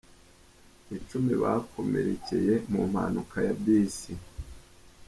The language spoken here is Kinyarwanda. Icumi bakomerekeye mu mpanuka ya bisi